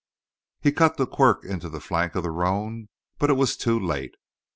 He cut the quirt into the flank of the roan, but it was too late.